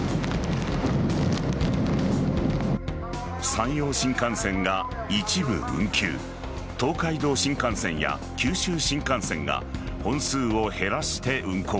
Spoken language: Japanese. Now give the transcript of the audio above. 山陽新幹線が一部運休東海道新幹線や九州新幹線が本数を減らして運行。